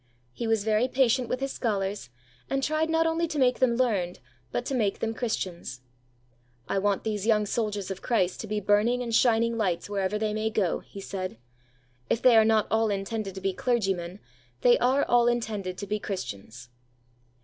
He was very patient with his scholars, and tried not only to make them learned, but to make them Christians. "I want these young soldiers of Christ to be burning and shining lights wherever they may go," he said. "If they are not all intended to be clergymen, they are all intended to be Christians."